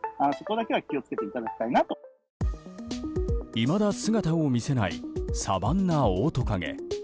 いまだ姿を見せないサバンナオオトカゲ。